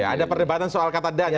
ada perdebatan soal kata dhani